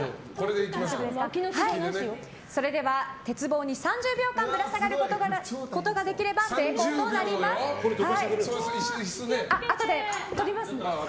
それでは鉄棒に３０秒間ぶら下がることができれば椅子はあとで取ります。